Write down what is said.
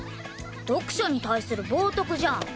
読書に対する冒じゃん。